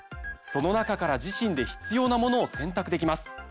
その中から自身で必要なものを選択できます。